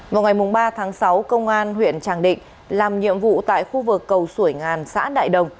vào ngày ba tháng sáu công an huyện tràng định làm nhiệm vụ tại khu vực cầu xui ngàn xã đại đồng